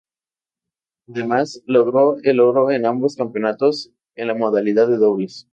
Además, logró el oro en ambos campeonatos en la modalidad de dobles.